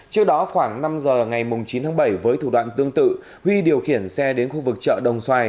trước đó khoảng năm giờ ngày chín tháng bảy với thủ đoạn tương tự huy điều khiển xe đến khu vực chợ đồng xoài